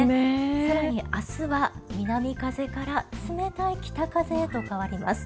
更に、明日は南風から冷たい北風へと変わります。